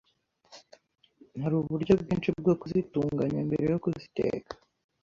hari uburyo bwinshi bwo kuzitunganya mbere yo kuziteka